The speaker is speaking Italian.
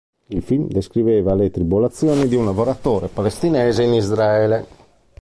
Il film descriveva le tribolazioni di un lavoratore palestinese in Israele.